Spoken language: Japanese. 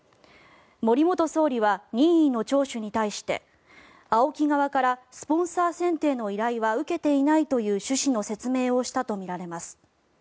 森元総理は任意の聴取に対してＡＯＫＩ側からスポンサー選定の依頼は受けていないという趣旨の説明をしたとみられます。